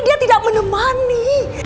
dia tidak menemani